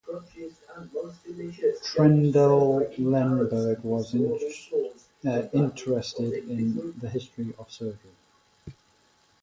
Trendelenburg was interested in the history of surgery.